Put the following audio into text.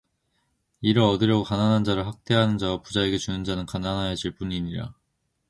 이를 얻으려고 가난한 자를 학대하는 자와 부자에게 주는 자는 가난하여질 뿐이니라